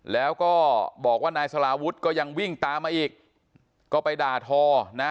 แล้วก็บอกว่านายสลาวุฒิก็ยังวิ่งตามมาอีกก็ไปด่าทอนะ